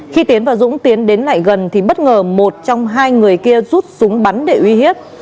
khi tiến và dũng tiến đến lại gần thì bất ngờ một trong hai người kia rút súng bắn để uy hiếp